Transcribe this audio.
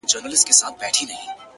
اوس مي د زړه قلم ليكل نه كوي ـ